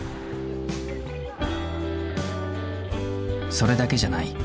それだけじゃない。